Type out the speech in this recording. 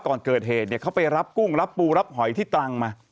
ก่อนเกิดเหตุเขาไปรับกุ้งรับปูรับหอยที่ตรังมา